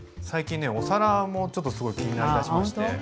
最近ねお皿もちょっとすごい気になりだしまして。